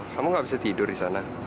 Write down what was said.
kamu gak bisa tidur disana